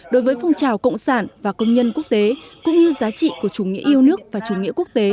đối với phong trào cộng sản và công nhân quốc tế cũng như giá trị của chủ nghĩa yêu nước và chủ nghĩa quốc tế